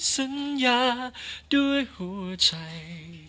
สัญญาด้วยหัวใจ